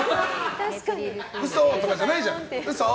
嘘！とかじゃないじゃん。